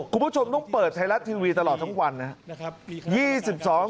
คุณผู้ชมต้องเปิดไทยรัฐทีวีตลอดทั้งวันนะครับ